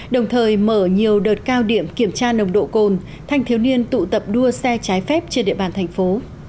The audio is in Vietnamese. đồng thời mở nhiều đợt cao điểm kiểm tra nồng độ cồn thanh thiếu niên tụ tập đua xe trái phép trên địa bàn thành phố